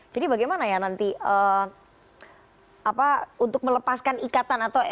jadi bagaimana ya nanti apa untuk melepaskan ikatan atau emosional